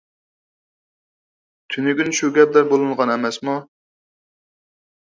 تۈنۈگۈن شۇ گەپلەر بولۇنغان ئەمەسمۇ.